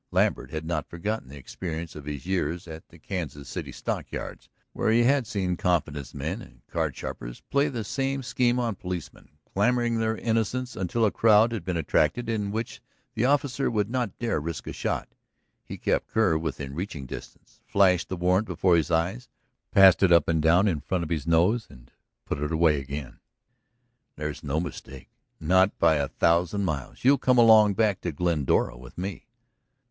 Lambert had not forgotten the experience of his years at the Kansas City Stockyards, where he had seen confidence men and card sharpers play the same scheme on policemen, clamoring their innocence until a crowd had been attracted in which the officer would not dare risk a shot. He kept Kerr within reaching distance, flashed the warrant before his eyes, passed it up and down in front of his nose, and put it away again. "There's no mistake, not by a thousand miles. You'll come along back to Glendora with me."